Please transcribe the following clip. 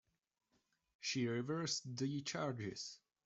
She reversed the charges.